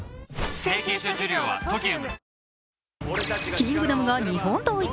「キングダム」が日本統一？